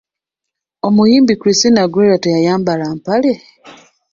Omuyimbi Christina Aguilera tayambala mpale!